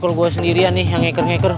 kalau gue sendirian nih yang ngeker ngeker